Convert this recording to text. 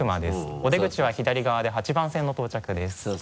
お出口は左側で８番線の到着です。